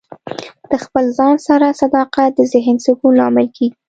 د خپل ځان سره صداقت د ذهن سکون لامل کیږي.